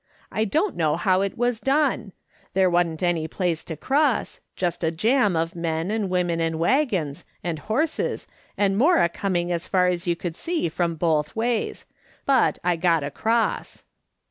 I don't know how it was done. There wasn't any place to cross ; just a jam of men, and women, and waggons, and horses, and more a coming as far as you could see from both ways. But I got across.